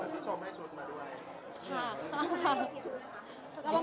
แล้วคุณผู้ชมให้ชุดมาด้วย